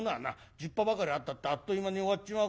十把ばかりあったってあっという間に終わっちまうから。